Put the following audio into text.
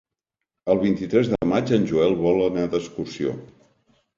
El vint-i-tres de maig en Joel vol anar d'excursió.